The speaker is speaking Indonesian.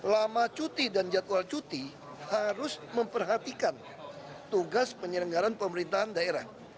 lama cuti dan jadwal cuti harus memperhatikan tugas penyelenggaran pemerintahan daerah